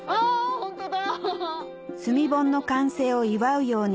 ホントだ。